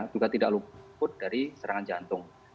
juga tidak luput dari serangan jantung